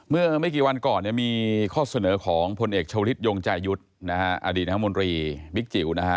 เมื่อไม่กี่วันก่อนเนี่ยมีข้อเสนอของพลเอกชาวลิศยงใจยุทธ์นะฮะอดีตรัฐมนตรีบิ๊กจิ๋วนะฮะ